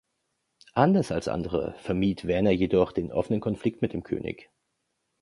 Anders als andere vermied Werner jedoch den offenen Konflikt mit dem König.